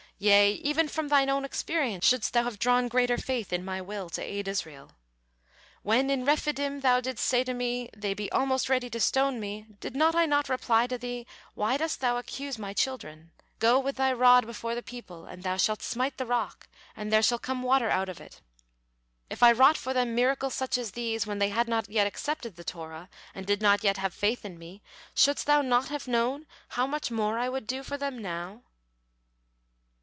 Yea, even from thine own experience shouldst thou have drawn greater faith in My will to aid Israel. When in Rephidim thou didst say to Me, 'They be almost ready to stone me,' did not I not reply to thee, 'Why dost thou accuse My children? God with thy rod before the people, and thou shalt smite the rock, and there shall come water out of it.' If I wrought for them miracles such as these when they had not yet accepted the Torah, and did not yet have faith in Me, shouldst thou not have known how much more I would do for them now?"